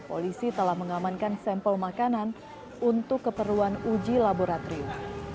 polisi telah mengamankan sampel makanan untuk keperluan uji laboratorium